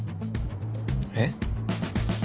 えっ？